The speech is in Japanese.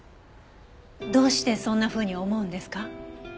どうしてそんなふうに思うんですか？